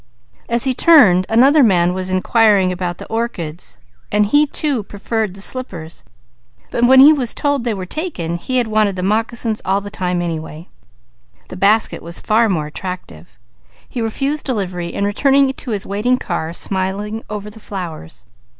As he turned, another man was inquiring about the orchids; he too preferred the slippers; but when he was told they were taken, he had wanted the moccasins all the time, anyway. The basket was far more attractive. He refused delivery, returning to his waiting car smiling over the flowers.